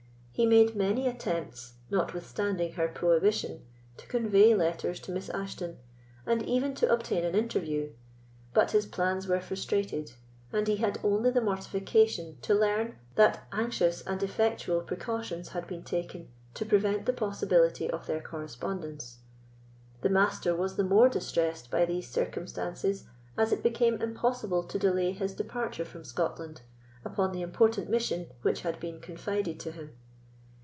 He made many attempts, notwithstanding her prohibition, to convey letters to Miss Ashton, and even to obtain an interview; but his plans were frustrated, and he had only the mortification to learn that anxious and effectual precautions had been taken to prevent the possibility of their correspondence. The Master was the more distressed by these circumstances, as it became impossible to delay his departure from Scotland, upon the important mission which had been confided to him.